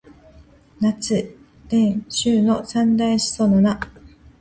夏、殷、周の三代の始祖の名。夏王朝の始祖の禹王。殷王朝の始祖の湯王。周王朝の文王と武王のこと。いずれも中国古代の聖天子。